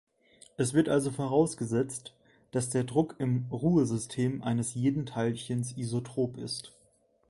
Es wird also vorausgesetzt, dass der Druck im "Ruhesystem" eines jeden Teilchens isotrop ist.